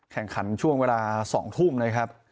แข่งขันช่วงเวลา๒ทุ่มนะครับ